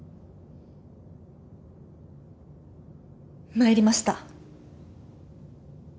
参りました。